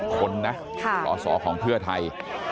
๑๔๑คนนะขอโสรของเพื่อไทย